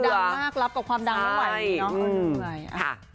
ดังมากรับกับความดังไม่ไหว